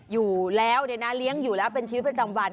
อยู่แล้วเนี่ยนะเลี้ยงอยู่แล้วเป็นชีวิตประจำวัน